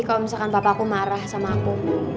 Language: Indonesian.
kalau misalkan bapakku marah sama aku